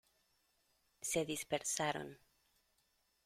se dispersaron.